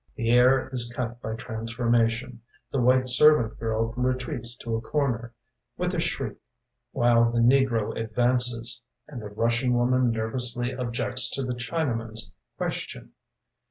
The air is cut by transformation. The white servant girl retreats to a corner With a shriek, while the negro advances, And the Russian woman Nervously objects to the Chinaman's question.